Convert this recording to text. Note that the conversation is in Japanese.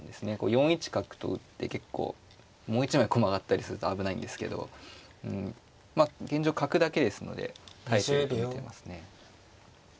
４一角と打って結構もう一枚駒があったりすると危ないんですけどまあ現状角だけですので耐えていると見てますね。